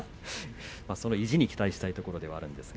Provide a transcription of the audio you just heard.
その意地に期待したいところであります。